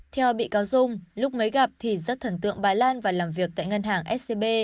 theo bị cáo dung lúc mới gặp thì rất thần tượng bà lan và làm việc tại ngân hàng scb